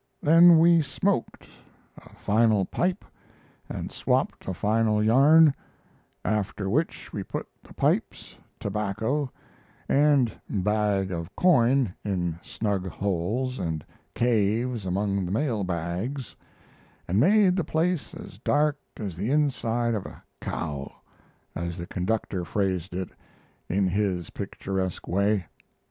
Then we smoked a final pipe and swapped a final yarn; after which we put the pipes, tobacco, and bag of coin in snug holes and caves among the mail bags, and made the place as dark as the inside of a cow, as the conductor phrased it in his picturesque way.